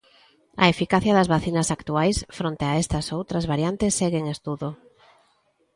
A eficacia das vacinas actuais fronte a esta e outras variantes segue en estudo.